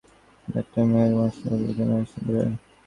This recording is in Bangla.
সুন্দরী একটি মেয়ের মনটাও বোধহয় সুন্দর হয়।